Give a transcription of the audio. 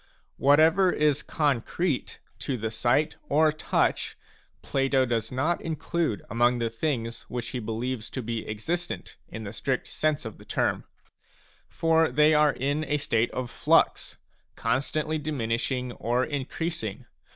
Whatever is concrete to the sight or touch, Plato does not include among the things which he believes to be existent in the strict sense of the term. a For they are in a state of flux, constantly diminishing or increasing.